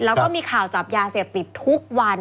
แล้วก็มีข่าวจับยาเสพติดทุกวัน